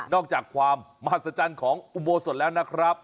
อกจากความมหัศจรรย์ของอุโบสถแล้วนะครับ